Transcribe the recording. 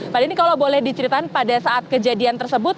pak denny kalau boleh diceritakan pada saat kejadian tersebut